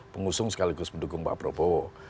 pengusung sekaligus mendukung pak prabowo